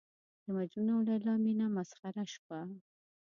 د مجنون او لېلا مینه مسخره شوه.